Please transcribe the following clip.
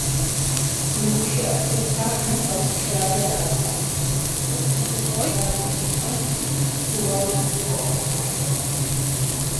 Мы гушыӏэ спектаклым къэзышари арагъэнт, тӏэкӏу ипэ силъадэу жысӏэнщи, щыуауи си гугъэкъым ахэр.